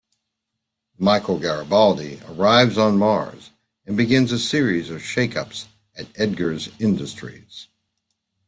Michael Garibaldi arrives on Mars, and begins a series of shakeups at Edgars Industries.